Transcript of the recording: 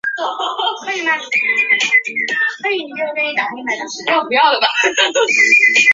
五年设置泰州路都统。